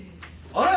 あれ？